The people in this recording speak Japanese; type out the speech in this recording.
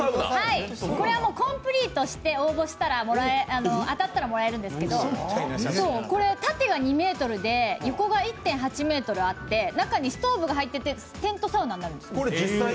これはコンプリートして応募して当たったらもらえるんですけど縦が２ｍで横が１．８ｍあって、中にストーブが入っててテントサウナになるんですね。